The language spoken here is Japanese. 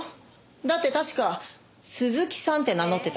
だって確か鈴木さんって名乗ってたし。